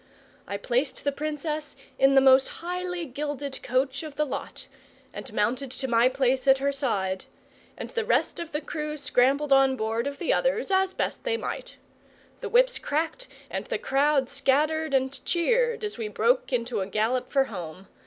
I placed the Princess in the most highly gilded coach of the lot, and mounted to my place at her side; and the rest of the crew scrambled on board of the others as best they might. The whips cracked and the crowd scattered and cheered as we broke into a gallop for home.